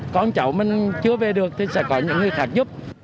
con cháu mình chưa về được thì sẽ có những người khác giúp